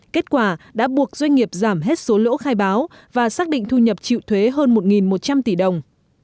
kết quả đã buộc doanh nghiệp giảm hết số lỗ khai báo và xác định thu nhập chịu thuế hơn một một trăm linh tỷ đồng